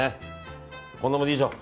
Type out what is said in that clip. こんなもんでいいでしょう。